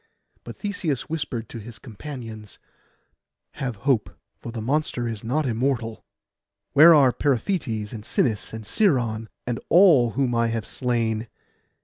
But Theseus whispered to his companions, 'Have hope, for the monster is not immortal. Where are Periphetes, and Sinis, and Sciron, and all whom I have slain?